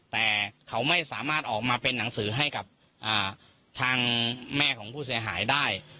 แต่เขาไม่สามารถออกมาเป็นหนังสือให้กับทางแม่ของผู้เสียหายได้